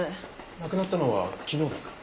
なくなったのは昨日ですか？